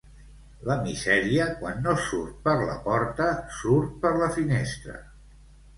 La misèria quan no surt per la porta, surt per la finestra.